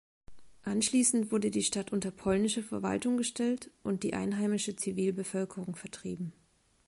Anschließend wurde die Stadt unter polnische Verwaltung gestellt und die einheimische Zivilbevölkerung vertrieben.